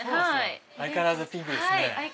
相変わらずピンクですね。